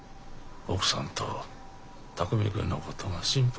奥さんと巧海君のことが心配でしょう。